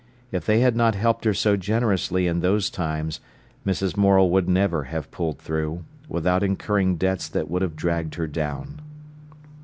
If they had not helped her so generously in those times, Mrs. Morel would never have pulled through, without incurring debts that would have dragged her down.